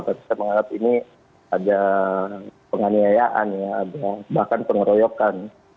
tapi saya menganggap ini ada penganiayaan ya bahkan pengeroyokan